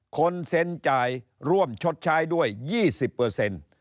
คนเซ็นจ่ายร่วมชดใช้ด้วย๒๐เปอร์เซ็นต์